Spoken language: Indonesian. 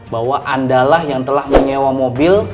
bahwa andalah yang telah menyewa mobil